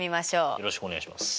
よろしくお願いします。